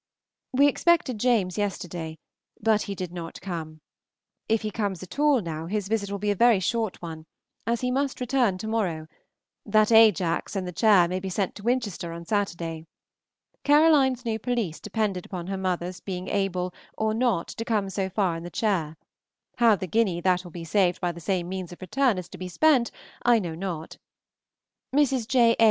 _ We expected James yesterday, but he did not come; if he comes at all now, his visit will be a very short one, as he must return to morrow, that Ajax and the chair may be sent to Winchester on Saturday. Caroline's new pelisse depended upon her mother's being able or not to come so far in the chair; how the guinea that will be saved by the same means of return is to be spent I know not. Mrs. J. A.